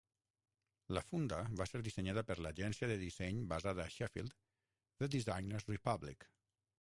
La funda va ser dissenyada per l'agència de disseny basada a Sheffield, The Designers Republic.